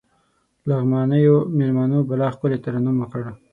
لغمانيو مېلمنو بلا ښکلی ترنم وکړ.